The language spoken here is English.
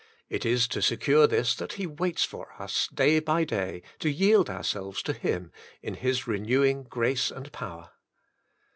It is to secure this that He waits for us day by day to yield ourselves to Him, in His renewing grace and power.